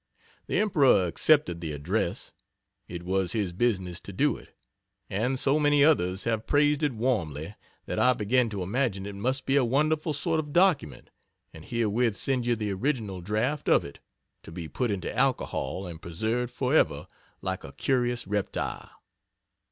The Emperor accepted the address it was his business to do it and so many others have praised it warmly that I begin to imagine it must be a wonderful sort of document and herewith send you the original draught of it to be put into alcohol and preserved forever like a curious reptile.